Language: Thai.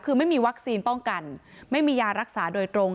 คือไม่มีวัคซีนป้องกันไม่มียารักษาโดยตรง